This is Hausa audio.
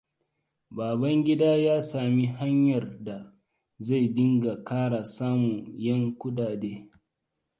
Babangida ya sami hanyar da zai dinga ƙara samun ƴan kuɗaɗe.